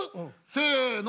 せの。